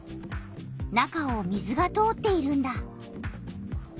中を水が通っているんだ。